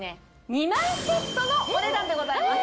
２枚セットのお値段でございます。